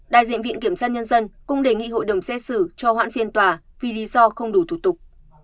đại diện viện kiểm sát nhân dân cũng đề nghị hội đồng xét xử cho hoãn phiên tòa vì lý do không đủ thủ tục